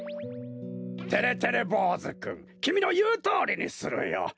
てれてれぼうずくんきみのいうとおりにするよ。